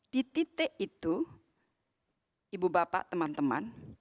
di titik itu ibu bapak teman teman